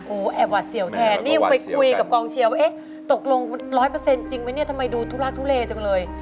โอ้โหแอบหวัดเสี่ยวแทนนี่ยังไปคุยกับกองเชียร์ว่าเอ๊ะตกลง๑๐๐จริงไหมเนี่ยทำไมดูทุลักทุเลจังเลย